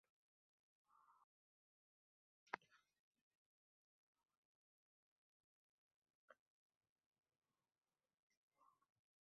Bo`ldi, bas qil, dedi Brekket